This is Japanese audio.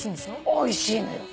おいしいのよ。